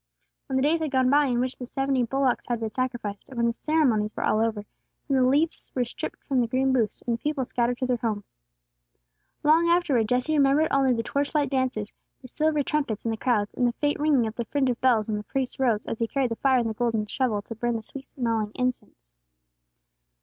When the days had gone by in which the seventy bullocks had been sacrificed, and when the ceremonies were all over, then the leaves were stripped from the green booths, and the people scattered to their homes. Long afterward, Jesse remembered only the torch light dances, the silver trumpets and the crowds, and the faint ringing of the fringe of bells on the priest's robes as he carried the fire on the golden shovel to burn the sweet smelling incense.